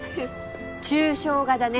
抽象画だね。